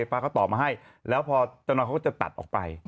ฟ้าเค้าต่อมาให้แล้วพอจนก็จะตัดออกไป